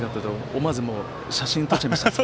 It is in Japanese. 思わず写真撮っちゃいました。